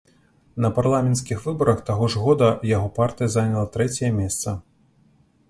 На парламенцкіх выбарах таго ж года яго партыя заняла трэцяе месца.